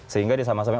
sehingga disamain sama